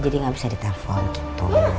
jadi gak bisa di telfon gitu